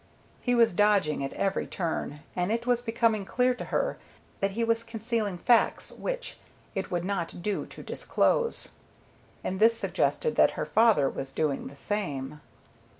He was dodging at every turn, and it was becoming clear to her that he was concealing facts which it would not do to disclose. And this suggested that her father was doing the same.